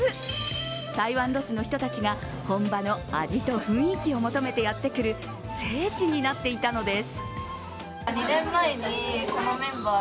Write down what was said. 台湾ロスの人たちが本場の味と雰囲気を求めてやってくる聖地になっていたのです。